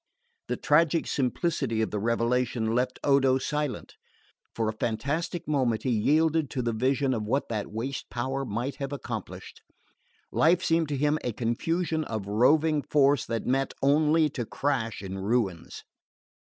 The tragic simplicity of the revelation left Odo silent. For a fantastic moment he yielded to the vision of what that waste power might have accomplished. Life seemed to him a confusion of roving force that met only to crash in ruins.